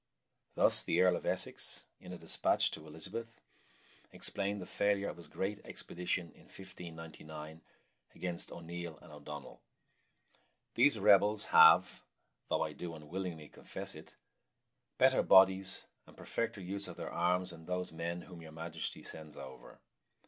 Thus the Earl of Essex, in a despatch to Elizabeth, explained the failure of his great expedition in 1599 against O'Neill and O'Donnell. "These rebels ... have (though I do unwillingly confess it) better bodies and perfecter use of their arms than those men whom your Majesty sends over."